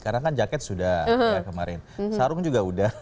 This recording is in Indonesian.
karena kan jaket sudah kemarin sarung juga udah